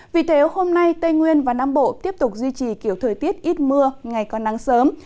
vì thế hôm nay tây nguyên và nam bộ tiếp tục duy trì kiểu thời tiết ít mưa ngày còn nắng sớm